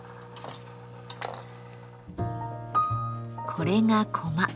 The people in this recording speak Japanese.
これがコマ。